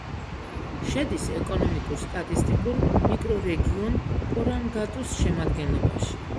შედის ეკონომიკურ-სტატისტიკურ მიკრორეგიონ პორანგატუს შემადგენლობაში.